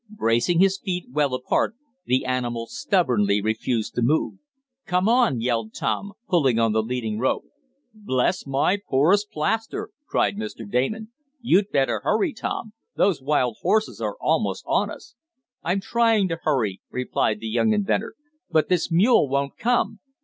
Bracing his feet well apart, the animal stubbornly refused to move. "Come on!" yelled Tom, pulling on the leading rope. "Bless my porous plaster!" cried Mr. Damon. "You'd better hurry, Tom! Those wild horses are almost on us!" "I'm trying to hurry!" replied the young inventor, "but this mule won't come.